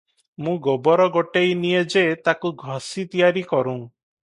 ମୁଁ ଗୋବର ଗୋଟେଇ ନିଏ ଯେ ତାକୁ ଘସି ତିଆରି କରୁଁ ।